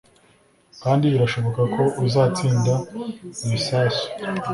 kandi birashoboka ko uzatsinda ibisasu